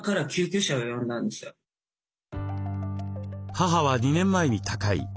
母は２年前に他界。